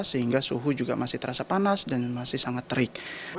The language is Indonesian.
sehingga suhu juga masih terasa panas dan masih sangat terik